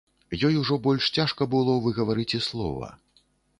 Ёй ужо больш цяжка было выгаварыць і слова.